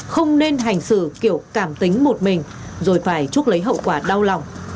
không nên hành xử kiểu cảm tính một mình rồi phải chuốc lấy hậu quả đau lòng